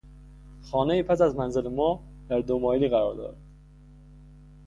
خانهی پس از منزل ما، در دو مایلی قرار دارد.